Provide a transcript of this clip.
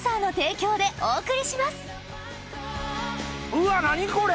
うわ何これ？